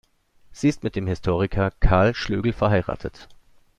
Sie ist mit dem Historiker Karl Schlögel verheiratet.